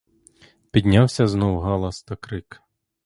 Піднявся знов галас та крик.